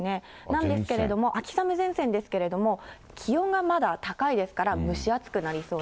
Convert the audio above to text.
なんですけれども、秋雨前線ですけれども、気温がまだ高いですから、蒸し暑くなりそうです。